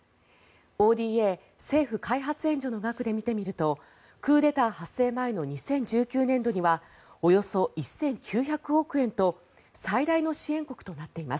ＯＤＡ・政府開発援助の額で見てみるとクーデター発生前の２０１９年度にはおよそ１９００億円と最大の支援国となっています。